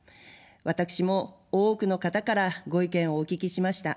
私も多くの方からご意見をお聞きしました。